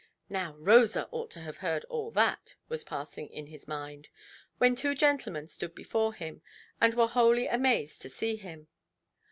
"Now Rosa ought to have heard all that", was passing in his mind, when two gentlemen stood before him, and were wholly amazed to see him.